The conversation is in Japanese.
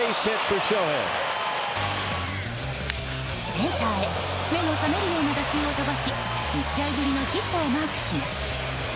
センターへ目の覚めるような打球を飛ばし２試合ぶりのヒットをマークします。